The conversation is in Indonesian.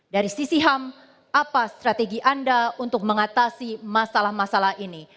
dari sisi ham apa strategi anda untuk mengatasi masalah masalah ini